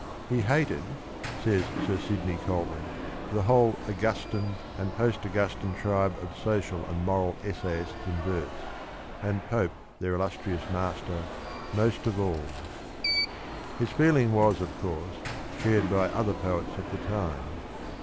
'' He hated," says Sir Sidney Colvin, " the whole ' Augustan ' and post Augustan tribe of social and moral essayists in verse, and Pope their illustrious master, most of all."^ His feeling was, of course, shared by other poets of the time.